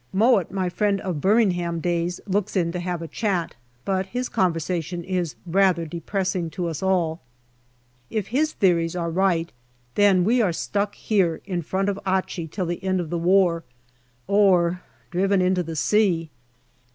Mowatt, my friend of Birming ham days, looks in to have a chat, but his conversation is rather depressing to us all. If his theories are right, then we are stuck here in front of Achi till the end of the war or driven into the sea.